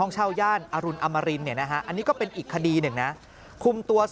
ใช่ค่ะ